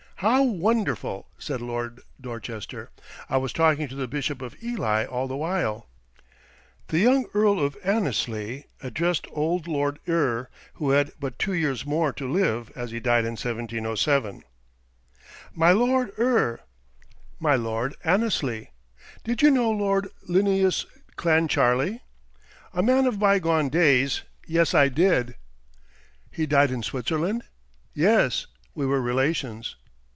"How wonderful!" said Lord Dorchester. "I was talking to the Bishop of Ely all the while." The young Earl of Annesley addressed old Lord Eure, who had but two years more to live, as he died in 1707. "My Lord Eure." "My Lord Annesley." "Did you know Lord Linnæus Clancharlie?" "A man of bygone days. Yes I did." "He died in Switzerland?" "Yes; we were relations."